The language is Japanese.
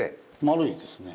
丸いですね。